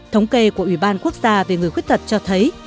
thống kê của ủy ban quốc gia về người khuyết tật cho thấy